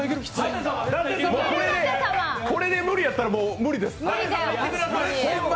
これで無理やったら無理です。